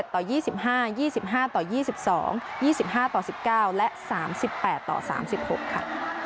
ต่อ๒๕๒๕ต่อ๒๒๒๕ต่อ๑๙และ๓๘ต่อ๓๖ค่ะ